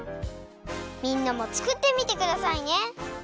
みんなもつくってみてくださいね。